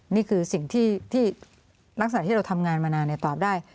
นี่คือสิ่งที่หลังจากที่เราทำงานมานานเนี่ยตอบได้